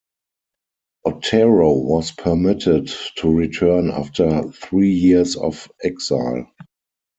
Otero was permitted to return after three years of exile.